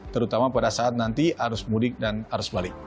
terutama pada saat nanti arus mudik dan arus balik